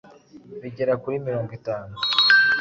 bigera kuri mirongo itanu